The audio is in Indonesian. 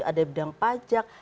ada di bidang pajak